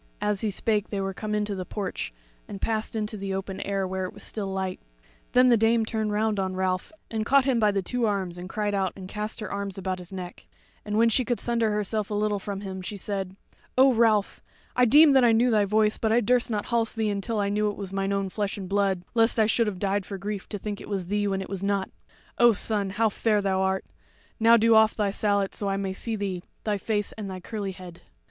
As he spake they were come into the porch, and passed into the open air, where it was still light; then the Dame turned round on Ralph and caught him by the two arms and cried out and cast her arms about his neck; and when she could sunder herself a little from him, she said: "O Ralph, I deemed that I knew thy voice, but I durst not halse thee till I knew it was mine own flesh and blood, lest I should have died for grief to think it was thee when it was not. O son, how fair thou art! Now do off thy sallet that I may see thee, thy face and thy curly head."